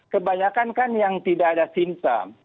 kebanyakan kan yang tidak ada simptom